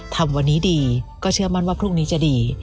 ทำวันนี้ดีก็เชื่อมั่นว่าพรุ่งนี้จะดี